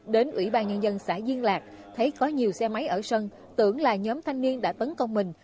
đến ủy ban nhân dân xã duyên lạc thấy có nhiều xe máy ở sân tưởng là nhóm thanh niên đã tấn công mình